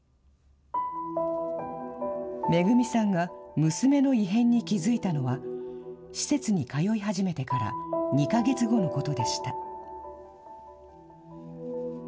めぐみさんが娘の異変に気付いたのは、施設に通い始めてから２か月後のことでした。